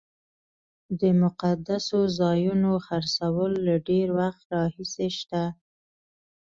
د مقدسو ځایونو خرڅول له ډېر وخت راهیسې شته.